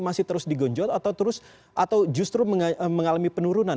masih terus digonjol atau justru mengalami penurunan